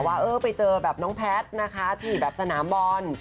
ว่าเออไปเจอแบบน้องแพทย์นะคะที่แบบสนามบอล